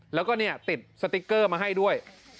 แล้วก็ติดสติ๊กเกอร์มาให้ด้วย